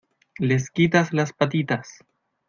les quitas las patitas...